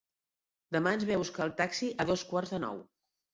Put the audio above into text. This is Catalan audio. Demà ens ve a buscar el taxi a dos quarts de nou.